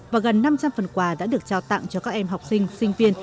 và gần năm trăm linh phần quà đã được trao tặng cho các em học sinh sinh viên